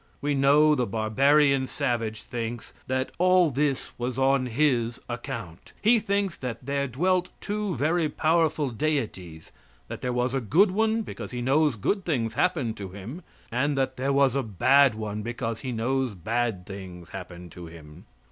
We know the barbarian savage thinks that all this was on his account. He thinks that there dwelt two very powerful deities; that there was a good one, because he knows good things happen to him; and that there was a bad one, because he knows bad things happen to him.